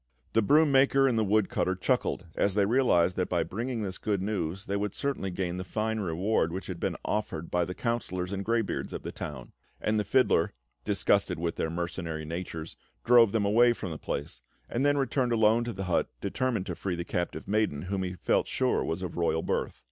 The broom maker and the woodcutter chuckled as they realised that by bringing this good news, they would certainly gain the fine reward which had been offered by the councillors and greybeards of the town; and the fiddler, disgusted with their mercenary natures, drove them away from the place, and then returned alone to the hut, determined to free the captive maiden, whom he felt sure was of royal birth.